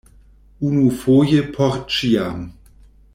Unufoje por ĉiam!